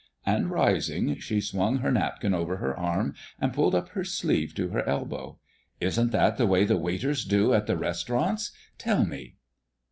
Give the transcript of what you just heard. And rising, she swung her napkin over her arm and pulled up her sleeve to her elbow. "Isn't that the way the waiters do at the restaurants, tell me?"